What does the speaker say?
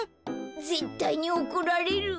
ぜったいにおこられる。